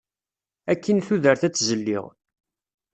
Akkin tudert ad tt-zelliɣ.